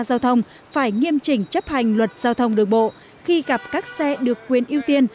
giao thông phải nghiêm chỉnh chấp hành luật giao thông đường bộ khi gặp các xe được quyền ưu tiên